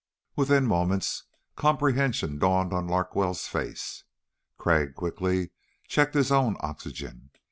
Within moments comprehension dawned on Larkwell's face. Crag quickly checked his own oxygen.